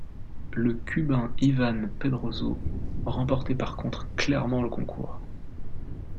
Le Cubain Iván Pedroso remportait par contre clairement le concours.